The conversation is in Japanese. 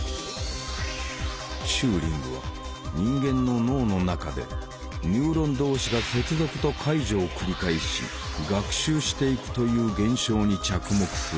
チューリングは人間の脳の中でニューロン同士が接続と解除を繰り返し学習していくという現象に着目する。